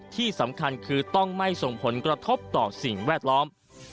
ที่สำคัญคือต้องไม่ส่งผลกระทบต่อสิ่งแวดล้อม